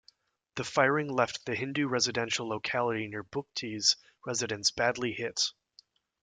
The firing left the Hindu residential locality near Bugti's residence badly hit.